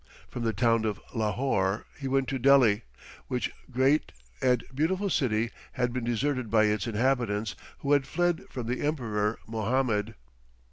From the town of Lahore, he went to Delhi, which great and beautiful city had been deserted by its inhabitants, who had fled from the Emperor Mohammed.